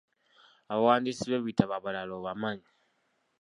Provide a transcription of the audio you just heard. Abawandiisi b’ebitabo abalala obamanyi?